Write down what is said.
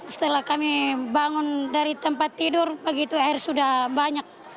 setelah kami bangun dari tempat tidur begitu air sudah banyak